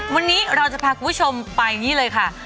วันนี้เราจะพาคุณผู้ชมไปนี่เลยค่ะ